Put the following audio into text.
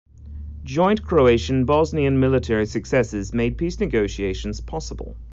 Joint Croatian-Bosnian military successes made peace negotiations possible.